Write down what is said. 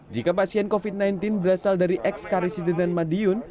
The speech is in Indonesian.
jika pasien covid sembilan belas berasal dari ekskarisidenan madiun